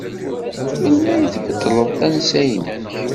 Melmi ay tbeddleḍ tansa-nnek?